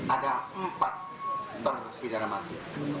ada empat terpidana mati